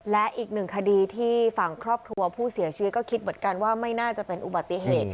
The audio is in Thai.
และอีกหนึ่งคดีที่ฝั่งครอบครัวผู้เสียชีวิตก็คิดเหมือนกันว่าไม่น่าจะเป็นอุบัติเหตุ